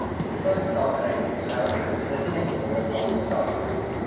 Preferred stock rights have precedence over common stock.